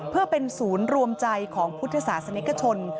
เพื่อเป็นศูนย์รวมใจของพุทธศาสนิกชน